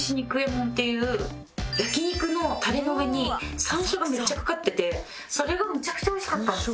焼き肉のタレの上に山椒がめっちゃかかっててそれがむちゃくちゃ美味しかったんですよ。